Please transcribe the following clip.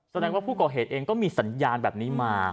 แสดงว่าผู้ก่อเหตุเองก็มีสัญญาณแบบนี้มา